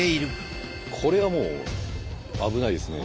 これはもう危ないですね。